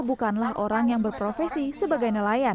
bukanlah orang yang berprofesi sebagai nelayan